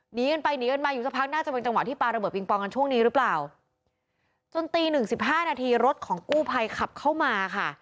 หนีกันไปหนีกันมาอยู่สักพักน่าจะเป็นจังหวะที่ปลาระเบิงปองกันช่วงนี้หรือเปล่าจนตีหนึ่งสิบห้านาทีรถของกู้ภัยขับเข้ามาค่ะ